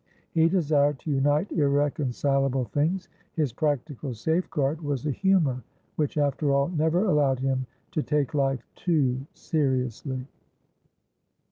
He desired to unite irreconcilable things. His practical safeguard was the humour which, after all, never allowed him to take life too seriously.